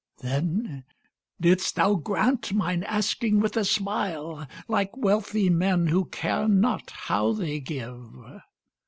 Then didst thou grant mine asking with a smile, Like wealthy men who care not how they give.